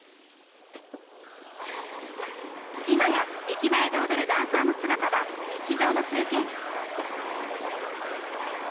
今や駅前で踊るダンサーの姿は日常の風景に。